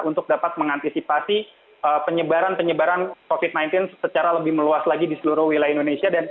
untuk dapat mengantisipasi penyebaran penyebaran covid sembilan belas secara lebih meluas lagi di seluruh wilayah indonesia